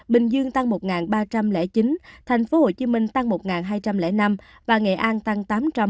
bình dương tăng một ba trăm linh chín tp hcm tăng một hai trăm linh năm và nghệ an tăng tám trăm năm mươi